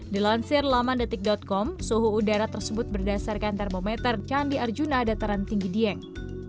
dilansir lamandetik com suhu udara tersebut berdasarkan termometer candi arjuna dataran tinggi dieng